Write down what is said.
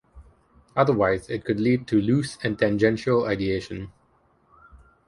Otherwise, it could lead to loose and tangential ideation.